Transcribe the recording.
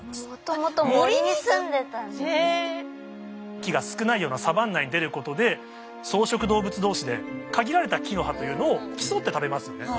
木が少ないようなサバンナに出ることで草食動物同士で限られた木の葉というのを競って食べますよね。